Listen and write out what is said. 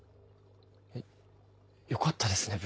えっよかったですね